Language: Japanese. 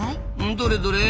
どれどれ。